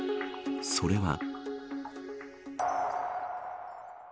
それは。